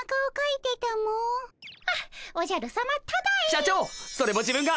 社長それも自分が。